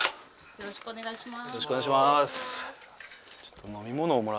よろしくお願いします。